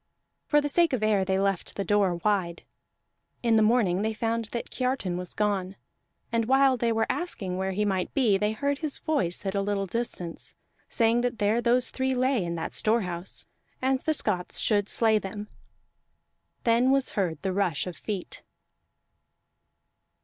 For the sake of air, they left the door wide. In the morning they found that Kiartan was gone; and while they were asking where he might be, they heard his voice at a little distance, saying that there those three lay in that storehouse, and the Scots should slay them. Then was heard the rush of feet.